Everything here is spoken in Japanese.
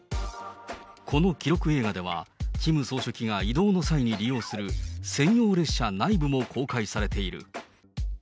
この記録映画では、キム総書記が移動の際に利用する専用列車内部も公開されている。